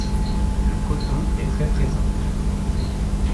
Le coton est très présent.